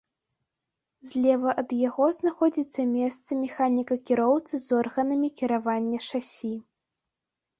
Злева ад яго знаходзіцца месца механіка-кіроўцы з органамі кіравання шасі.